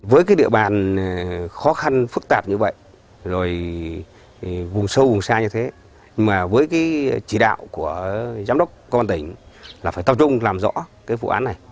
với cái địa bàn khó khăn phức tạp như vậy rồi vùng sâu vùng xa như thế mà với cái chỉ đạo của giám đốc công an tỉnh là phải tập trung làm rõ cái vụ án này